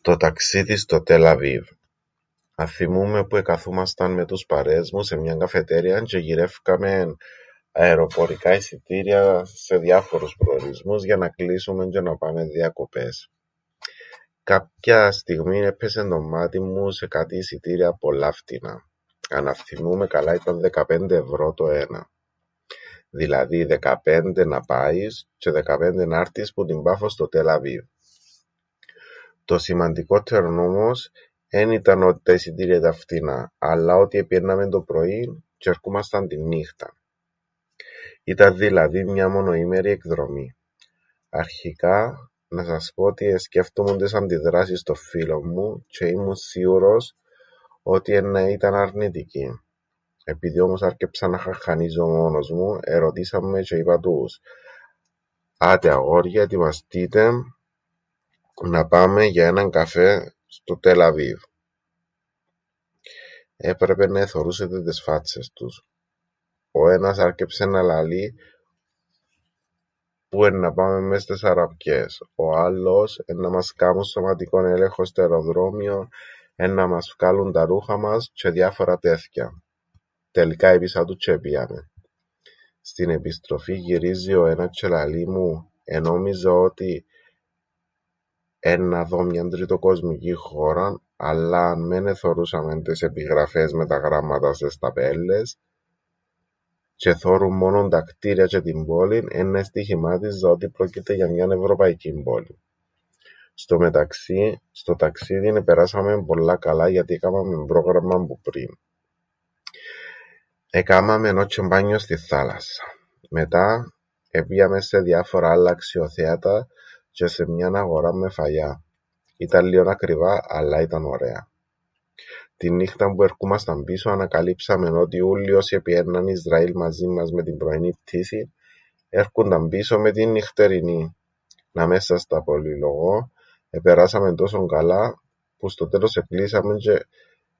Το ταξίδιν στο Τελ Αβίβ. Αθθυμούμαι που εκαθούμασταν με τους παρέες μου σε μιαν καφετέριαν τζ̆αι εγυρεύκαμεν αεροπορικά εισιτήρια σε διάφορους προορισμούς για να κλείσουμεν τζ̆αι να πάμεν διακοπές. Κάποιαν στιγμήν έππεσεν το μμάτιν μου σε κάτι εισιτήρια πολλά φτηνά. Αν αθθυμούμαι καλά ήταν δεκαπέντε ευρώ το έναν. Δηλαδή δεκαπέντε να πάεις τζ̆αι δεκαπέντε να 'ρτεις που την Πάφον στο Τελ Αβίβ. Το σημαντικόττερον όμως εν ήταν ότι τα εισιτήρια ήταν φτηνά αλλά ότι επηαίνναμεν το πρωίν τζ̆αι ερκούμασταν την νύχταν. Ήταν δηλαδή μια μονοήμερη εκδρομή. Αρχικά να σας πω ότι εσκέφτουμουν τες αντιδράσεις των φίλων μου τζ̆αι ήμουν σίουρος ότι εννά ήταν αρνητικοί. Επειδή όμως άρκεψα να χαχχανίζω μόνος μου, ερωτήσαν με τζ̆αι είπα τους... άτε αγόρια ετοιμαστείτε να πάμεν για έναν καφέν στο Τελ Αβίβ. Έπρεπεν να εθωρούσετε τες φάτσες τους. Ο ένας άρκεψεν να λαλεί πού εννά πάμεν μες στες αραπιές, ο άλλος εννά μας κάμουν σωματικόν έλεγχον στο αεροδρόμιον εννά μας φκάλουν τα ρούχα μας τζ̆αι διάφορα τέθκοια. Τελικά έπεισα τους τζ̆αι επήαμεν. Στην επιστροφήν γυρίζει ο ένας τζ̆αι λαλεί μου ενόμιζα ότι εννά δω μιαν τριτοκοσμικήν χώραν αλλά αν μεν εθώρουσαμεν τες επιγραφές με τα γράμματα στες ταπέλλες, τζ̆αι εθώρουν μόνον τα χτήρια τζ̆αι την πόλην, εννά εστοιχημάτιζα ότι πρόκεται για μιαν ευρωπαϊκήν πόλην. Στο μεταξύν στο ταξίδιν επεράσαμεν πολλά καλά γιατί εκάμαμεν πρόγραμμαν που πριν. Εκάμαμεν ώς τζ̆αι μπάνιον στην θάλασσαν. Μετά επήαμεν σε διάφορα άλλα αξιοθέατα τζ̆αι σε μιαν αγοράν με φαγιά. Ήταν λλίον ακριβά αλλά ήταν ωραία. Την νύχταν που ερκούμασταν πίσω ανακαλύψαμεν ότι ούλλοι όσοι επηαίνναν Ισραήλ μαζίν μας με την πρωινήν πτήσην έρκουνταν πίσω με την νυχτερινήν. Να μεν σας τα πολυλογώ επεράσαμεν τόσον καλά που στο τέλος εκλείσαμεν τζ̆αι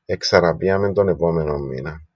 εξαναπήαμεν τον επόμενον μήναν.